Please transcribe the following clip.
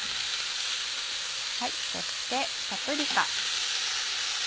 そしてパプリカ。